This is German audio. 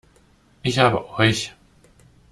Ich habe euch!